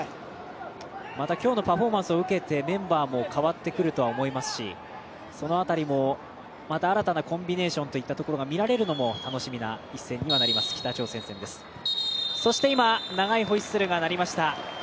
また今日のパフォーマンスを受けて、メンバーも代わってくるかと思いますしその辺りも、また新たなコンビネーションというものが見られるのも楽しみな一戦にはなります、北朝鮮戦です長いホイッスルが鳴りました。